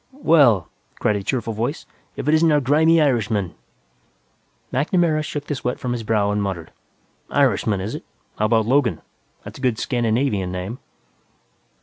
"Well," cried a cheerful voice, "if it isn't our grimy Irishman." MacNamara shook the sweat from his brow and muttered, "Irishman, is it? How about 'Logan'? That's a good Scandinavian name."